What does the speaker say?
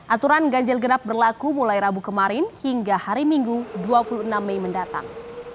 aturan ganjil genap berlaku mulai rabu kemarin hingga hari minggu dua puluh enam mei mendatang